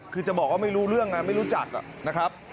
คือจะบอกว่าไม่รู้เรื่องไงไม่รู้จักนะครับ